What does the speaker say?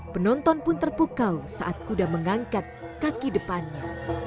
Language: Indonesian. penonton pun terpukau saat kuda mengangkat kaki depannya